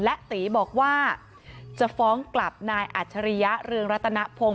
และตีบอกว่าจะฟ้องกลับนายอัจฉริยะเรืองรัตนพงศ